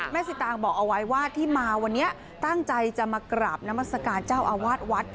สิตางบอกเอาไว้ว่าที่มาวันนี้ตั้งใจจะมากราบนามัศกาลเจ้าอาวาสวัด